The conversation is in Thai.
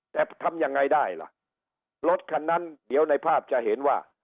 แต่ทำยังไงได้ล่ะรถคันนั้นเดี๋ยวในภาพจะเห็นว่า